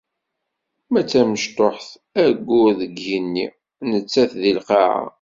Ma d tamecṭuḥt, ayyur deg yigenni, nettat di lqaɛa.